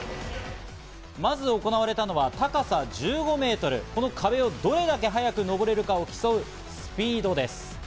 まず行われたのは、高さ１５ｍ、この壁をどれだけ早く登れるかを競うスピードです。